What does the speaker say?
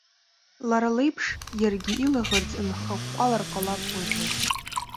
Лара леиԥш, иаргьы илаӷырӡ нхаҟәҟәалар ҟалап уажәы.